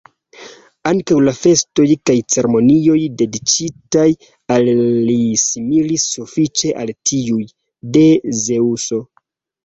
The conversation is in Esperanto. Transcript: Ankaŭ la festoj kaj ceremonioj dediĉitaj al li similis sufiĉe al tiuj, de Zeŭso.